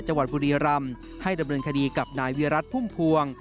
จังหวัดบุรีรำให้ดำเนินคดีกับนายวิรัติพุ่มพวง